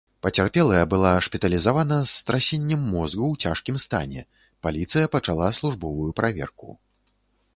Пацярпелая была шпіталізавана з страсеннем мозгу ў цяжкім стане, паліцыя пачала службовую праверку.